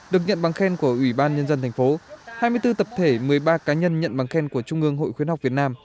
được nhận bằng khen của ubnd tp hai mươi bốn tập thể một mươi ba cá nhân nhận bằng khen của trung ương hội khuyến học việt nam